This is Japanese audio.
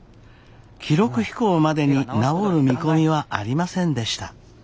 記録飛行までに治る見込みはありませんでした。